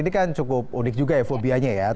ini kan cukup unik juga ya fobianya ya